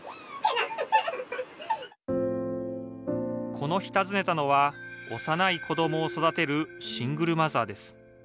この日、訪ねたのは幼い子どもを育てるシングルマザーです